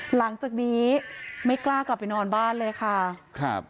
หลังจากนี้ไม่กล้ากลับไปนอนบ้านเลยค่ะครับ